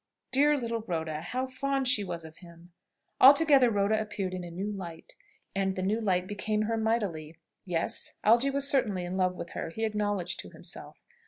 Dear Little Rhoda! How fond she was of him! Altogether Rhoda appeared in a new light, and the new light became her mightily. Yes; Algy was certainly in love with her, he acknowledged to himself.